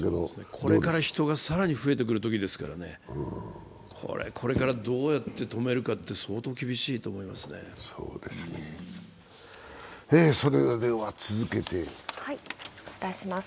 これから人が更に増えてくる時ですからね、これからどうやって止めるかって相当厳しいと思います。